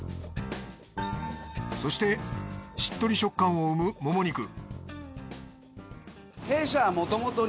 そしてしっとり食感を生むモモ肉